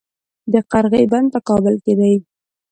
د قرغې بند په کابل کې دی